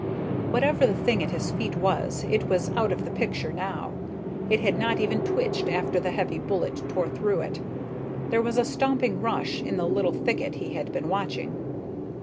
Whatever the thing at his feet was, it was out of the picture now it had not even twitched after the heavy bullet tore through it. There was a stomping rush in the little thicket he had been watching.